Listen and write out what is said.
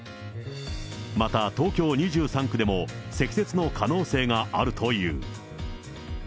また東京２３区でも積雪の可能性があるという。